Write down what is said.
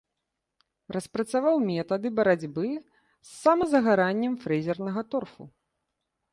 Распрацаваў метады барацьбы з самазагараннем фрэзернага торфу.